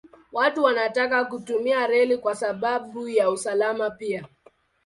Watu wanataka kutumia reli kwa sababu ya usalama pia.